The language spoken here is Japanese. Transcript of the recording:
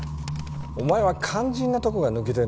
お前は肝心なとこが抜けてるんだよ。